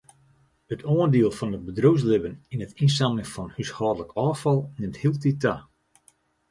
It oandiel fan it bedriuwslibben yn it ynsammeljen fan húshâldlik ôffal nimt hieltyd ta.